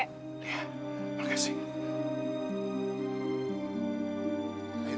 sudah sudah sudah